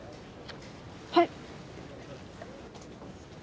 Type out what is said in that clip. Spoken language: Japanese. はい。